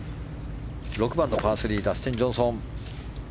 ６番のパー３ダスティン・ジョンソン。